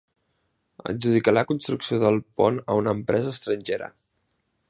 Adjudicar la construcció del pont a una empresa estrangera.